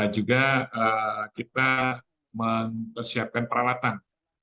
juga kita mempersiapkan peralatan